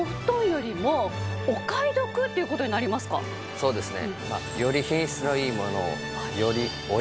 そうですね。